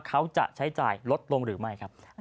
เขาจะใช้จ่ายลดลงหรือไม่ครับ